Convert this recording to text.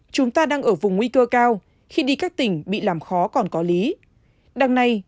chúng ta đang ở vùng nguy cơ cao khi đi các tỉnh bị làm khó còn có lý đằng này